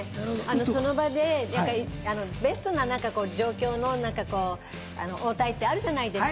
その場でベストな状況の応対ってあるじゃないですか。